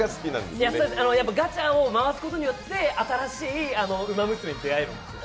ガチャを回すことによって、新しいウマ娘に出会えるんです。